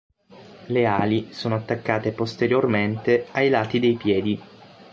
Le ali sono attaccate posteriormente ai lati dei piedi.